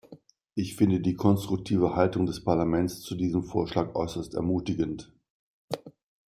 Ich finde die konstruktive Haltung des Parlaments zu diesem Vorschlag äußerst ermutigend.